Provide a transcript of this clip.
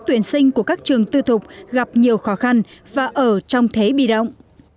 tuyển sinh của các trường tư thục gặp nhiều khó khăn và ở trong thế bị động